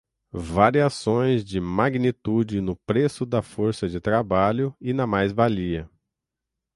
Variações de magnitude no preço da força de trabalho e na mais-valia